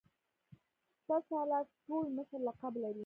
سپه سالار ټول مشر لقب لري.